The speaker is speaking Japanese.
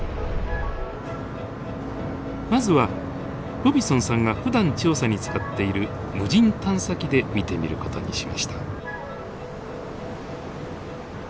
まずはロビソンさんがふだん調査に使っている無人探査機で見てみる事にしました。